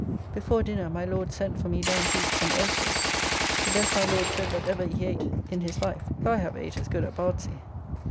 Before dinner my Lord sent for me down to eat some oysters, the best my Lord said that ever he ate in his life, though I have ate as good at Bardsey.